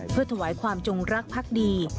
เพื่อถวายความจงรักพักดี